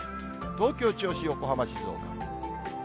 東京、銚子、横浜、静岡。